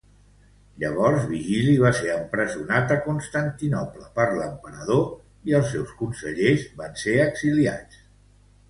Llavors Vigili va ser empresonat a Constantinoble per l'emperador i els seus consellers van ser exiliats.